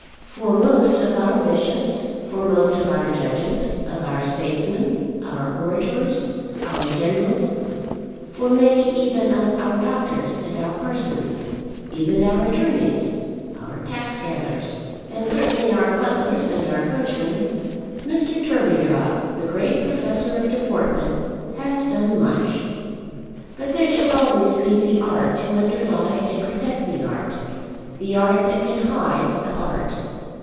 For most of our bishops, for most of our judges, of our statesmen, our orators, our generals, for many even of our doctors and our parsons, even our attorneys, our tax gatherers, and certainly our butlers and our coachmen, Mr. Turveydrop, the great professor of deportment, has done much. But there should always be the art to underlie and protect the art; the art that can hide the art.